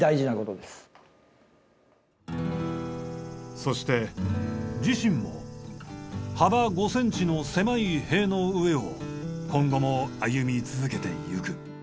そして自身も幅５センチの狭い塀の上を今後も歩み続けていく。